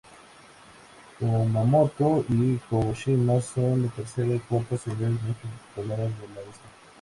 Kumamoto y Kagoshima son las tercera y cuarta ciudades más pobladas de la isla.